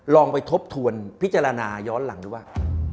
ลองไปทบทวนพิจารณาย้อนหลังดูว่า